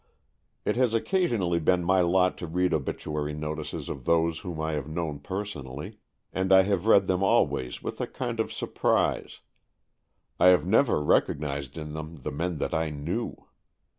It has occasionally been my lot to read obituary notices of those whom I have known personally, and I have read them always with a kind of surprise. I have never recognized in them the men that I knew.